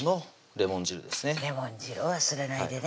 レモン汁を忘れないでね